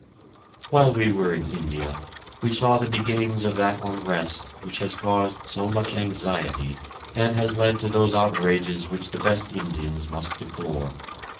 1648.] While we were in India we saw the beginnings of that unrest which has caused so much anxiety and has led to those outrages which the best Indians must deplore.